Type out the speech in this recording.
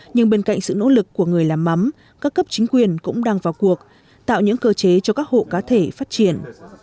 nhưng bên cạnh sự nỗ lực của người làm mắm các cấp chính quyền cũng đang vào cuộc tạo những cơ chế cho các hộ cá thể phát triển